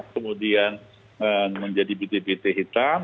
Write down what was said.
kemudian menjadi bit bit hitam